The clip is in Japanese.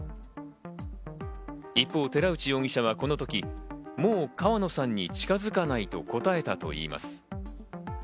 一方、寺内容疑者はこの時、もう川野さんに近づかないと答えたといいます。